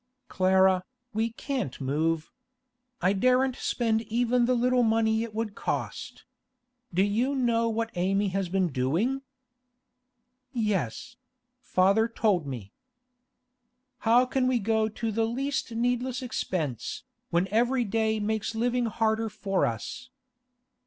'Clara, we can't move. I daren't spend even the little money it would cost. Do you know what Amy has been doing?' 'Yes; father told me.' 'How can we go to the least needless expense, when every day makes living harder for us?